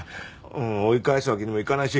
追い返すわけにもいかないし。